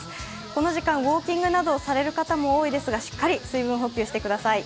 この時間、ウオーキングなどをされる方も多いですが、しっかり水分補給してください。